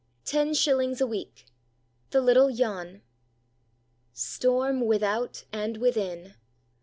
—TEN SHILLINGS A WEEK.—THE LITTLE JAN. STORM without and within!